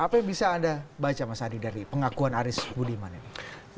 apa yang bisa anda baca mas adi dari pengakuan aris budiman ini